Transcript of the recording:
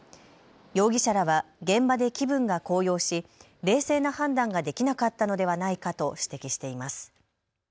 容疑者らは現場で気分が高揚し冷静な判断ができなかったのではないかと指摘しています。